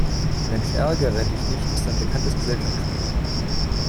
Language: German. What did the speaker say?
Mensch-Ärgere-Dich-nicht ist ein bekanntes Gesellschaftsspiel.